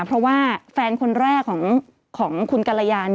เพราะว่าแฟนคนแรกของคุณกรยา